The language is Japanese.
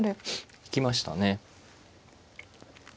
行きましたね。